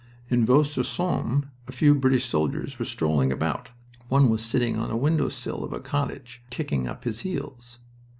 In Vaux sur Somme a few British soldiers were strolling about. One was sitting on the window sill of a cottage, kicking up his heels.